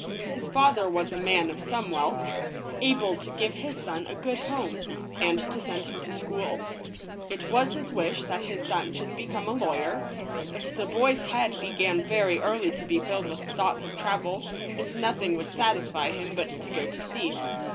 His father was a man of some wealth, able to give his son a good home, and to send him to school. It was his wish that his son should become a lawyer, but the boy's head began very early to be filled with thoughts of travel, and nothing would satisfy him but to go to sea.